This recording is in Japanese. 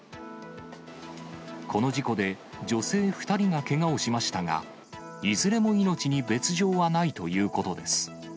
この事故で、女性２人がけがをしましたが、いずれも命に別状はないということです。